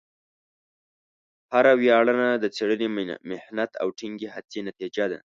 هره ویاړنه د څېړنې، محنت، او ټینګې هڅې نتیجه ده.